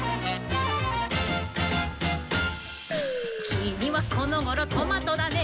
「きみはこのごろトマトだね」